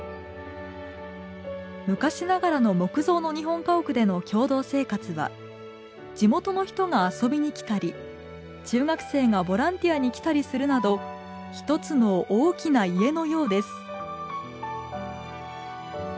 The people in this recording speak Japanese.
昔ながらの木造の日本家屋での共同生活は地元の人が遊びに来たり中学生がボランティアに来たりするなど一つの大きな家のようです。